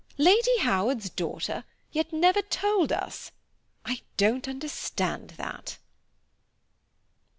Lady Howard's daughter, yet never told us; I don't understand that.